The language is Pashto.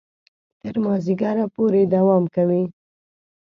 تر مازیګره پورې دوام کوي.